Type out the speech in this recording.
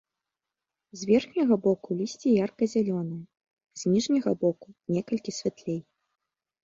З верхняга боку лісце ярка-зялёнае, з ніжняга боку некалькі святлей.